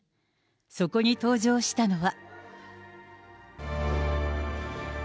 そこに登場したのは。